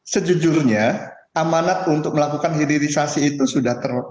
sejujurnya amanat untuk melakukan hilirisasi itu sudah ter